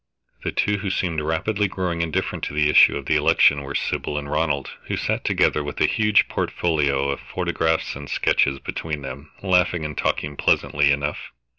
The two who seemed rapidly growing indifferent to the issue of the election were Sybil and Ronald, who sat together with a huge portfolio of photographs and sketches between them, laughing and talking pleasantly enough.